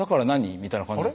みたいな感じなんです